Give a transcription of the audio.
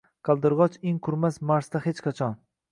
Qaldirgoch in qurmas Marsda hech qachon